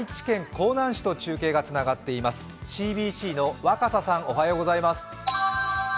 ＣＢＣの若狭さん、おはようございます。